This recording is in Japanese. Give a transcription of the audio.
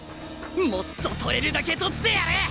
もっと取れるだけ取ってやる！